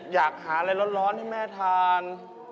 อยากหาอะไรร้อนให้แม่ทาน